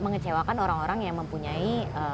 mengecewakan orang orang yang mempunyai